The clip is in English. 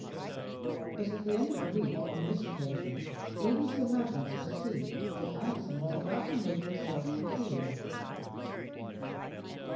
But at the end of the week, on this occasion, even Sir Magnus perceived that Anderson was about to make himself peculiar.